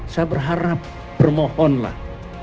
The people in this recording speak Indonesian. saya berharap bermohonlah